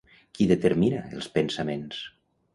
Qui determina els pensaments?